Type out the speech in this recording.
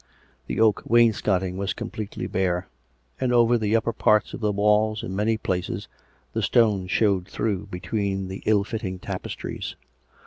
The oak wainscoting was completely bare; and over the upper parts of the walls in many places the stones showed through between the ill fitting tapestries.